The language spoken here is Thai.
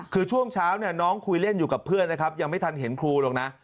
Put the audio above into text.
คือช่วงเช้าเนี่ยน้องคุยเล่นอยู่กับเพื่อนนะครับยังไม่ทันเห็นครูหรอกนะ